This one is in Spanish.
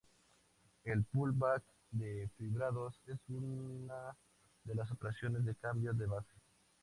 El pull-back de fibrados es una de las operaciones de "cambio de base".